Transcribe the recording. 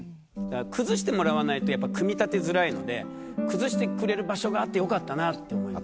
崩してもらわないとやっぱ組み立てづらいので崩してくれる場所があってよかったなって思います。